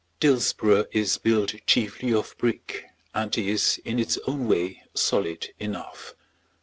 Dillsborough is built chiefly of brick, and is, in its own way, solid enough.